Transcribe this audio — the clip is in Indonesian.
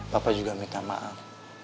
papa juga minta maaf